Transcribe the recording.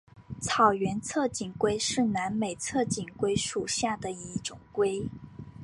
草原侧颈龟是南美侧颈龟属下的一种龟。